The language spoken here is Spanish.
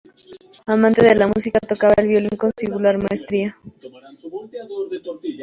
Amante de la música, tocaba el violín con singular maestría.